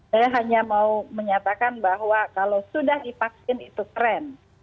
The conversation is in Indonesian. saya hanya mau menyatakan bahwa kalau sudah divaksin itu keren